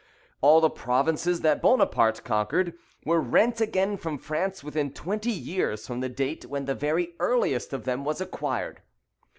All the provinces that Bonaparte conquered, were rent again from France within twenty years from the date when the very earliest of them was acquired.